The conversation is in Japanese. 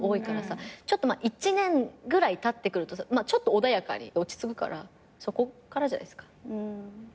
ちょっとまあ１年ぐらいたってくるとさちょっと穏やかに落ち着くからそこからじゃないですか。